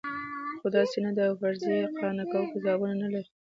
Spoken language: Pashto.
خو داسې نه ده او فرضیې قانع کوونکي ځوابونه نه لري.